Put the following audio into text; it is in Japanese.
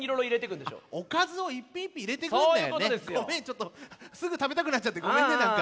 ちょっとすぐたべたくなっちゃってごめんねなんか。